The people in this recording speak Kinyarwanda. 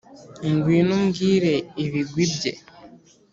Ngwino umbwire ibigwi bye